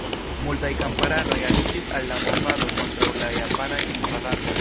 Multaj kamparanoj aliĝis al la movado kontraŭ la japanaj invadantoj.